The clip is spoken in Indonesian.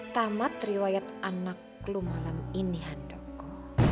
tamat riwayat anak lu malam ini handoko